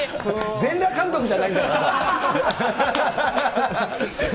全裸監督じゃないんだからさ。